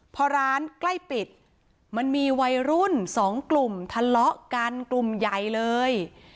พอร้านใกล้ปิดมันมีวัยรุ่นสองกลุ่มทะเลาะกันกลุ่มใหญ่เลย